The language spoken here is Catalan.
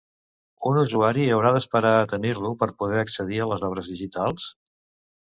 Un usuari haurà d'esperar a tenir-lo per poder accedir a les obres digitals?